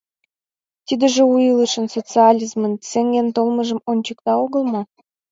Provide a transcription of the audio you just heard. Тидыже у илышын, социализмын, сеҥен толмыжым ончыкта огыл мо?